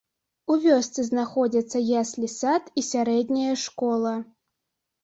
У вёсцы знаходзяцца яслі-сад і сярэдняя школа.